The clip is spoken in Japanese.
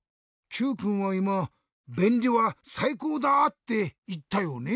Ｑくんはいま「べんりはさいこうだ」っていったよね？